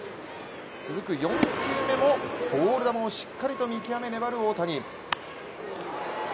続く４球目も、ボール球をしっかりと見極め、粘る大谷。